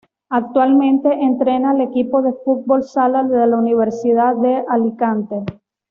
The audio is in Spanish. Actualmente, entrena al equipo de fútbol sala de la Universidad de Alicante.